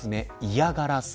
嫌がらせ